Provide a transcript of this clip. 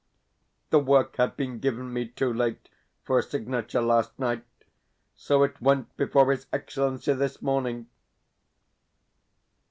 The work had been given me too late for signature last night, so it went before his Excellency this morning.